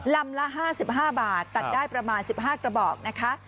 ลำละ๕๕บาทตัดได้ประมาณ๑๕กระบอกนะคะ